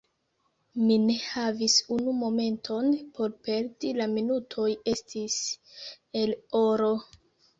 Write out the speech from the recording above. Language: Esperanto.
Mi ne havis unu momenton por perdi: la minutoj estis el oro.